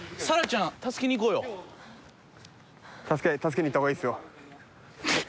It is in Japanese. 助けに行った方がいいですよ。